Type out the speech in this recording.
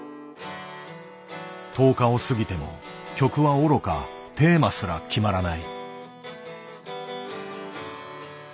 １０日を過ぎても曲はおろかテーマすら決まらない。